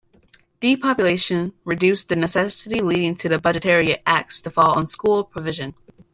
Depopulation reduced the necessity leading to the budgetary axe to fall on school provision.